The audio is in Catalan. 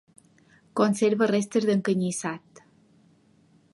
Conserva restes d'encanyissat.